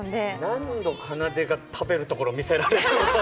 何度かなでが食べるとこ見せられたか。